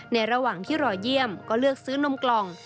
ระหว่างที่รอเยี่ยมก็เลือกซื้อนมกล่อง